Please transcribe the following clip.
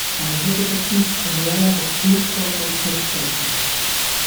Eine vegetative Vermehrung durch Brutkörper ist nicht selten.